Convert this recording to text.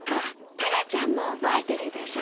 タラちゃんも覚えてるでしょ？